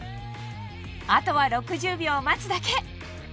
あとは６０秒待つだけ！